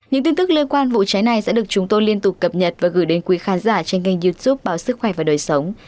những tin tức liên quan vụ trái này sẽ được chúng tôi liên tục cập nhật và gửi đến quý khán giả trên kênh youtube báo sức khỏe và đời sống